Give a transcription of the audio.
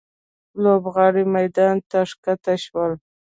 لوبغاړي میدان ته ښکته شول.